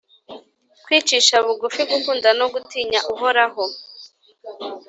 Kwicisha bugufi, gukunda no gutinya Uhoraho